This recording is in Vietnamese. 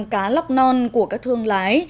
cá lóc non của các thương lái